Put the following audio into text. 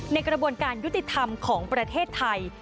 ในกระบวนการยุติธรรมของประเทศไทย